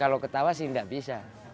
kalau ketawa sih tidak bisa